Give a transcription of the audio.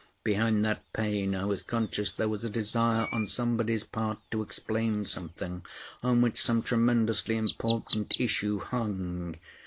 Behind that pain I was conscious there was a desire on somebody's part to explain something on which some tremendously important issue hung.